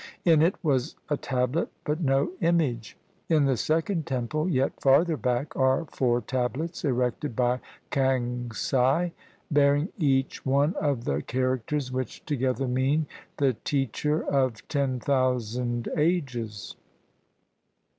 In it was a tablet, but no image. In the second temple, yet farther back, are four tablets, erected by Kang si; bearing each one of the characters which together mean, " The Teacher of Ten Thousand Ages."